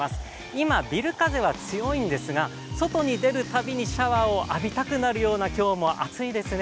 今、ビル風は強いんですが外に出るたびにシャワーを浴びたくなるような、今日も暑いですね。